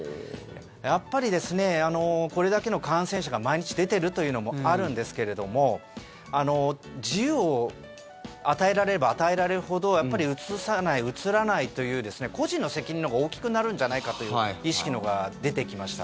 やっぱり、これだけの感染者が毎日出てるというのもあるんですけれども自由を与えられれば与えられるほどうつさない、うつらないという個人の責任のほうが大きくなるんじゃないかという意識のほうが出てきました。